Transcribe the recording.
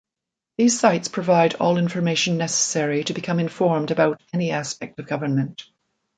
These sites provide all information necessary to become informed about any aspect of government.